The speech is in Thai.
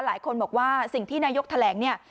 หลายคนบอกว่าสิ่งที่นายกแถลงเนี่ย